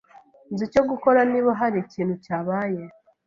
Nzi icyo gukora niba hari ikintu cyabaye.